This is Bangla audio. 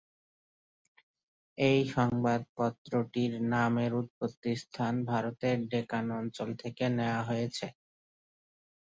এই সংবাদপত্রটির নাম এর উৎপত্তির স্থান ভারতের ডেকান অঞ্চল থেকে নেওয়া হয়েছে।